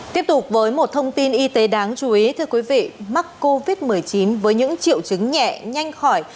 tiếp tục với một thông tin y tế đáng chú ý mắc covid một mươi chín với những triệu chứng nhẹ nhanh khỏi